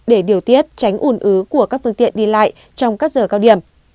để điều tiết tránh ủn ứ của các phương tiện đi lại trong các giờ cao điểm